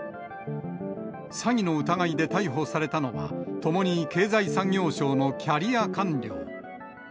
詐欺の疑いで逮捕されたのは、ともに経済産業省のキャリア官僚。